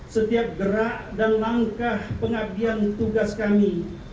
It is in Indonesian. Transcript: setiap gerak dan langkah pengabdian tugas kami